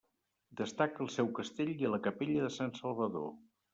Destaca el seu castell i la capella de Sant Salvador.